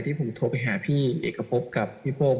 ผมโทรไปหาพี่เอกพบกับพี่โป้ง